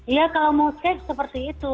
iya kalau mau cake seperti itu